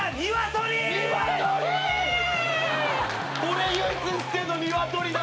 俺唯一知ってるのニワトリだった！